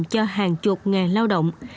cho hàng chục ngàn lao động